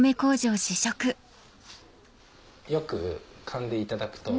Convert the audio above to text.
よくかんでいただくと。